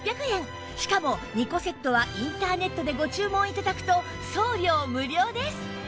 しかも２個セットはインターネットでご注文頂くと送料無料です